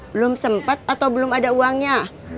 belum sempat atau belum ada uangnya